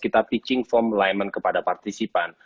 kita pitching form alignment kepada partisipan